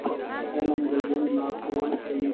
• علم د ژوند لارښوونه کوي.